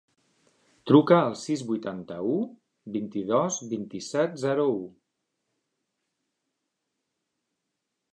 Truca al sis, vuitanta-u, vint-i-dos, vint-i-set, zero, u.